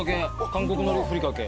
韓国海苔ふりかけ。